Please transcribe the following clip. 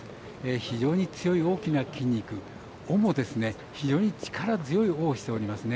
非常に強い大きな筋肉尾も、非常に力強い尾をしておりますね。